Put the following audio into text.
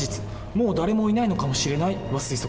「もう誰もいないのかもしれない」は推測。